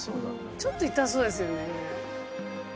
ちょっと痛そうですよね。